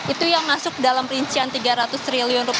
itu yang masuk dalam rincian rp tiga ratus triliun